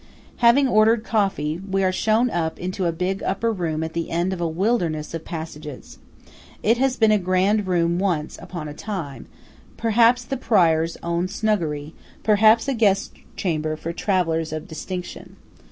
Having ordered coffee, we are shown up into a big upper room at the end of a wilderness of passages. It has been a grand room once upon a time–perhaps the prior's own snuggery; perhaps a guest chamber for travellers of distinction.